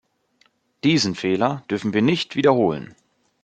Diesen Fehler dürfen wir nicht wiederholen.